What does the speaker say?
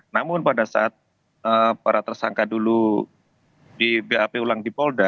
namun pada saat para tersangka dulu di bap ulang di polda